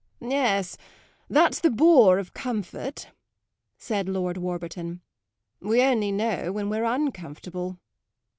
"Yes, that's the bore of comfort," said Lord Warburton. "We only know when we're uncomfortable."